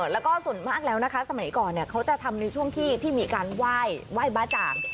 แล้วก็ส่วนมากแล้วนะคะสมัยก่อนเขาจะทำในช่วงที่มีการไหว้บ้าจ่าง